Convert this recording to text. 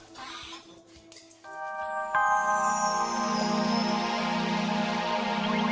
keluar pak keluar